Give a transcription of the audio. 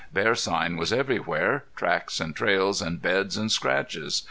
Bear sign was everywhere, tracks and trails and beds and scratches.